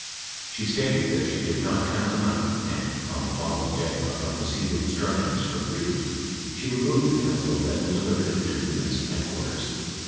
She stated that she did not count the money and, on the following day, upon receiving instructions from Reid, she removed the envelope and delivered it to the Lindsay headquarters.